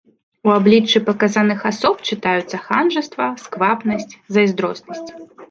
У абліччы паказаных асоб чытаюцца ханжаства, сквапнасць, зайздроснасць.